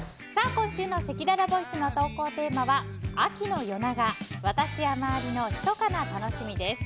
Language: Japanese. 今週のせきららボイスの投稿テーマは秋の夜長私や周りのひそかな楽しみです。